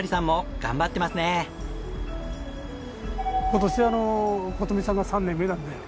今年で琴美さんが３年目なんだよ。